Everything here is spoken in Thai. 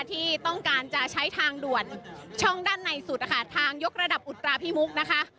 ที่ต้องการจะใช้ทางด่วนช่องด้านในสุดนะคะทางยกระดับอุตราพิมุกนะคะ